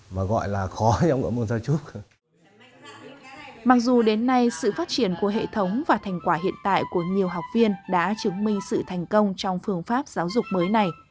mặc dù đến nay sự phát triển của hệ thống và thành quả hiện tại của nhiều học viên đã chứng minh sự thành công trong phương pháp giáo dục mới này